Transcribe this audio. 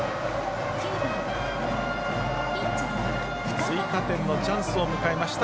追加点のチャンスを迎えました。